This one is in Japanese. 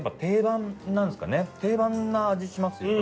定番な味しますよね。